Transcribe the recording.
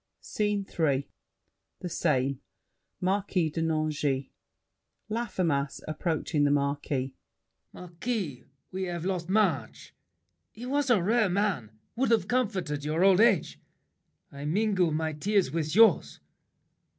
SCENE III The same. Marquis de Nangis LAFFEMAS (approaching The Marquis). Marquis, we've lost much. He was a rare man; would have comforted Your old age. I mingle my tears with yours.